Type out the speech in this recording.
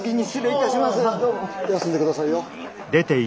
休んで下さいよ。